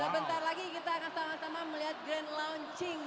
sebentar lagi kita akan sama sama melihat grand launching